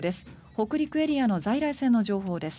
北陸エリアの在来線の情報です。